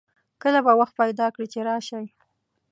کله به وخت پیدا کړي چې راشئ